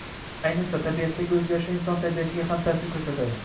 Ayniqsa, tabiatdagi oʻzgarishlar inson tabiatiga ham taʼsir oʻtkazadi.